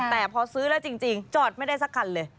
แต่พอซื้อแล้วจริงจอดไม่ได้สักคันเลย